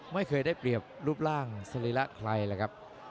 ไม่เคยได้เปรียบรูปร่างสรีระใครเลยครับ